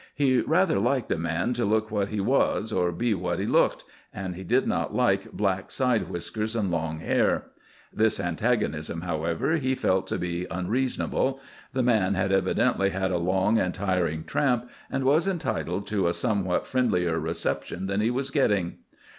He rather liked a man to look what he was or be what he looked, and he did not like black side whiskers and long hair. This antagonism, however, he felt to be unreasonable. The man had evidently had a long and tiring tramp, and was entitled to a somewhat friendlier reception than he was getting.